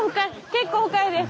結構深いです。